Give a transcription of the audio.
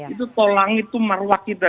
itu tolang itu marwah kita